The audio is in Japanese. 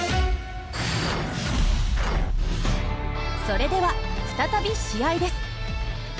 それでは再び試合です。